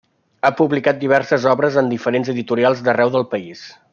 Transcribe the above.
Ha publicat diverses obres en diferents editorials d'arreu del país.